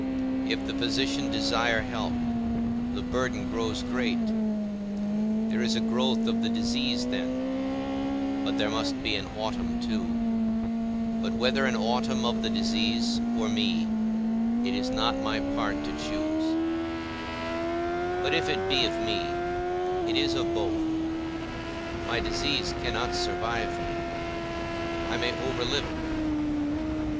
If the physician desire help, the burden grows great: there is a growth of the disease then; but there must be an autumn too; but whether an autumn of the disease or me, it is not my part to choose; but if it be of me, it is of both; my disease cannot survive me, I may overlive it.